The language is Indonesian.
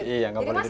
iya gak boleh di atas